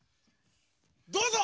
どうぞ！